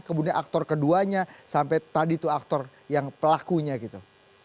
kemudian aktor keduanya sampai tadi tuh aktor yang pelakunya gitu